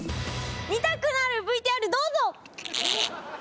見たくなるＶＴＲどうぞ！